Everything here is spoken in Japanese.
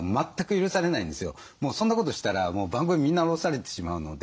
もうそんなことしたら番組みんな降ろされてしまうので。